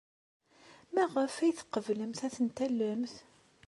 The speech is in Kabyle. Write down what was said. Maɣef ay tqeblemt ad ten-tallemt?